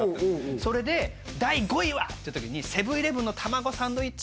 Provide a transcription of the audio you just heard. それで第５位は！って時にセブン−イレブンのたまごサンドイッチ